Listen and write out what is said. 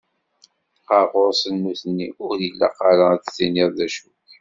Ɣer ɣur-sen nutni, ur ilaq ara ad d-tiniḍ d acu-k.